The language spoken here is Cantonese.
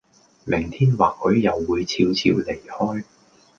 明天或許又會俏俏離開